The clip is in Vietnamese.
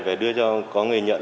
và đưa cho có người nhận